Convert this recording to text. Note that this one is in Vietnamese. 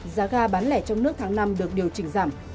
giá ga bán lẻ trong nước tháng năm được điều chỉnh giảm